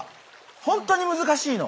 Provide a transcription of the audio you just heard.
本当に難しいの。